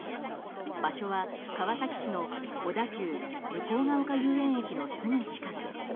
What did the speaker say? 場所は、川崎市の小田急向ヶ丘遊園駅のすぐ近く。